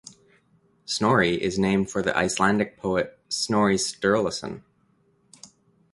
Snorri is named for the Icelandic poet Snorri Sturluson.